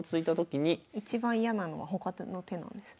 一番嫌なのは他の手なんですね。